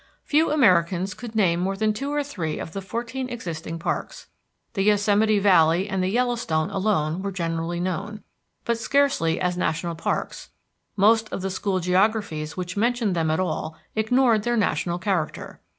Few Americans could name more than two or three of the fourteen existing parks. The Yosemite Valley and the Yellowstone alone were generally known, but scarcely as national parks; most of the school geographies which mentioned them at all ignored their national character.